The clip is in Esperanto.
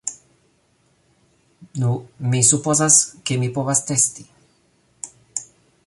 Nu, mi supozas, ke mi povas testi